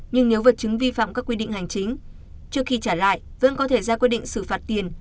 nhưng nếu vật chứng vi phạm các quy định hành chính trước khi trả lại vẫn có thể ra quyết định xử phạt tiền